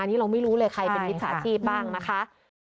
อันนี้เราไม่รู้เลยใครเป็นมิจฉาชีพบ้างนะคะ